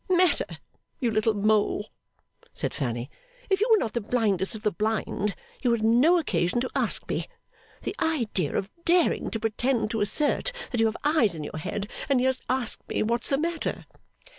'Matter, you little Mole,' said Fanny. 'If you were not the blindest of the blind, you would have no occasion to ask me. The idea of daring to pretend to assert that you have eyes in your head, and yet ask me what's the matter!